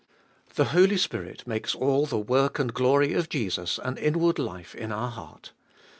3. The Holy Spirit makes all the work and glory of Jesus an inward life in our heart.